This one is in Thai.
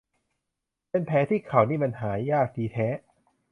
เป็นแผลที่เข่านี่มันหายยากดีแท้